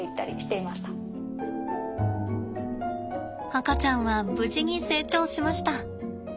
赤ちゃんは無事に成長しました。